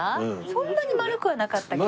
そんなに丸くはなかったけど。